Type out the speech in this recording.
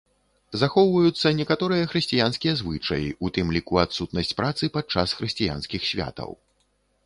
Захоўваюцца некаторыя хрысціянскія звычаі, у тым ліку адсутнасць працы падчас хрысціянскіх святаў.